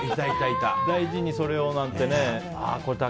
大事にそれをなんてね。